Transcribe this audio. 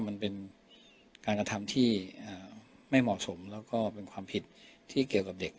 มันเป็นการกระทำที่ไม่เหมาะสมแล้วก็เป็นความผิดที่เกี่ยวกับเด็ก